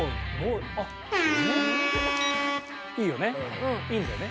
いいよね。